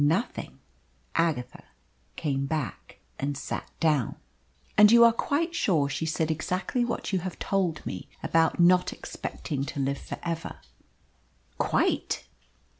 "Nothing." Agatha came back and sat down. "And you are quite sure she said exactly what you have told me, about not expecting to live for ever." "Quite."